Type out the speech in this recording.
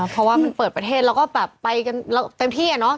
เพราะว่ามันเปิดประเทศแล้วก็แบบไปกันเต็มที่